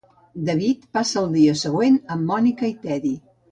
David passa el dia següent amb Monica i Teddy.